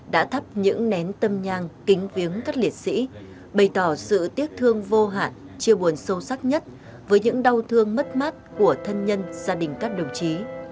đã thắp những nén tâm nhang kính viếng các liệt sĩ bày tỏ sự tiếc thương vô hạn chia buồn sâu sắc nhất với những đau thương mất mát của thân nhân gia đình các đồng chí